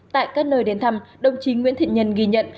tại các nơi đến thăm đồng chí nguyễn thiện nhân ghi nhận